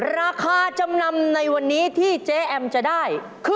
ราคาจำนำในวันนี้ที่เจ๊แอมจะได้คือ